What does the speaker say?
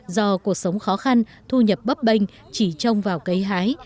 do cuộc sống khó khăn thu nhập bấp bênh chỉ trông vào cấy hái